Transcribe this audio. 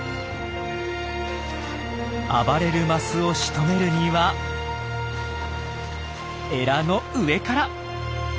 暴れるマスをしとめるにはエラの上から！